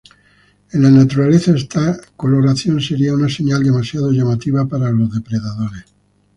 En la naturaleza esta coloración sería una señal demasiado llamativa para los depredadores.